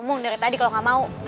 ngomong dari tadi kalau gak mau